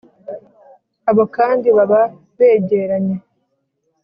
Abo kandi baba begeranye;